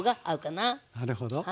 なるほど。